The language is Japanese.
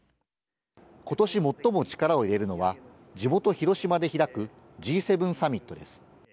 ことし最も力を入れるのは、地元、広島で開くＧ７サミットです。